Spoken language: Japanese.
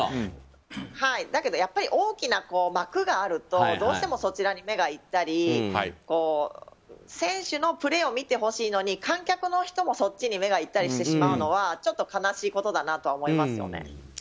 だけど、やっぱり大きな幕があるとどうしてもそちらに目が行ったり選手のプレーを見てほしいのに観客の人も、そっちに目がいったりしてしまうのは悲しいことだなと思いますよね。